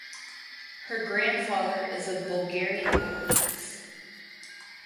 Her grandfather is of Bulgarian origins.